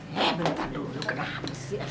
nek bentar dulu kenapa sih